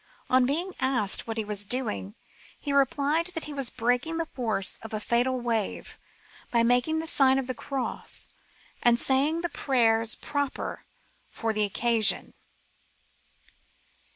On being asked what he was doing, he replied that he was breaking the force of a fatal wave by making the sign of the cross, and saying the prayers 134 CALMS AND SEAS. proper for the occasion.